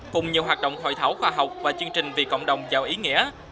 cùng nhiều hoạt động hội thảo khoa học và chương trình vì cộng đồng giàu ý nghĩa